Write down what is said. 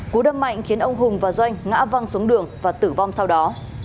cú đâm mạnh khiến ông hùng và doanh ngã văng xuống đường và tử vong sau đó